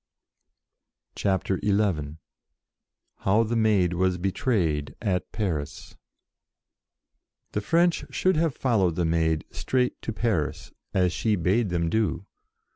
CHAPTER XI HOW THE MAID WAS BETRAYED AT PARIS THE French should have followed the Maid straight to Paris, as she bade them do.